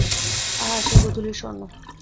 আহা, সেই গোধূলির স্বর্ণ!